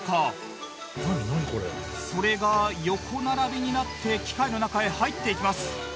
それが横並びになって機械の中へ入っていきます。